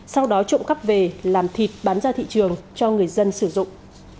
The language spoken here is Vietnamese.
sau đó trộm cắp về làm thịt bán ra thị trường cho người dân sử dụng